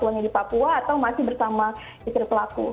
ke orang tuanya di papua atau masih bersama istri pelaku